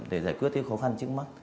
để giải quyết cái khó khăn trước mắt